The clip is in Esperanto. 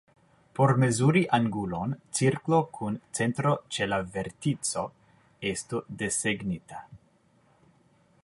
Por mezuri angulon, cirklo kun centro ĉe la vertico estu desegnita.